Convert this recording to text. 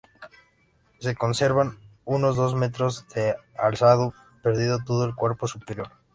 Se conservan unos dos metros de alzado, perdido todo el cuerpo superior.